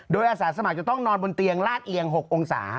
โดยอาสาสมัครจะต้องนอนบนเตียงลาดเอียง๖องศา